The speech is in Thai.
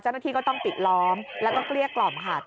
เจ้าหน้าที่ก็ต้องปิดล้อมแล้วก็เกลี้ยกล่อมค่ะ